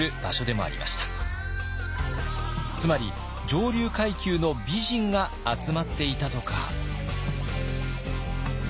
つまり上流階級の美人が集まっていたとか。